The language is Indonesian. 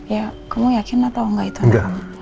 ya kamu yakin atau enggak itu anak kamu